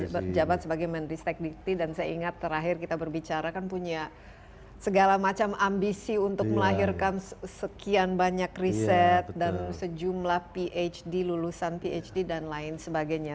saya jabat sebagai menteri stek dikti dan saya ingat terakhir kita berbicara kan punya segala macam ambisi untuk melahirkan sekian banyak riset dan sejumlah phd lulusan phd dan lain sebagainya